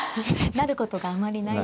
なることがあまりない。